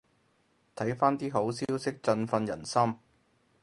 睇返啲好消息振奮人心